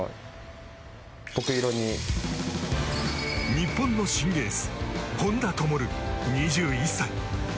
日本の新エース本多灯、２１歳。